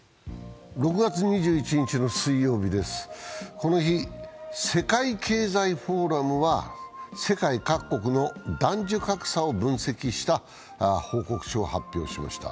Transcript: この日、世界経済フォーラムは世界各国の男女格差を分析した報告書を発表しました。